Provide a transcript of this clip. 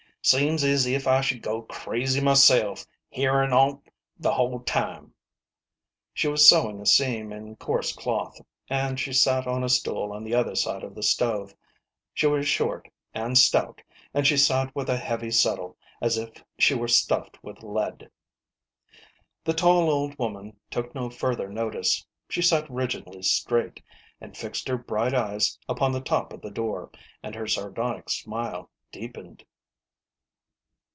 Seems as if I should go crazy myself, hearin' on't the whole time." She was sewing a seam in coarse cloth, and she sat on a stool on the other side of the stove. She was short and stout, and she sat with a heavy settle as if she were stuffed with lead. The tall old woman took no further notice. She sat rigidly straight, and fixed her bright eyes upon the top of the door, and her sardonic smile deepened.